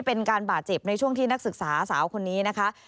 เป็นการบาดเจ็บในช่วงที่นักศึกษาสาวคนนี้นะคะ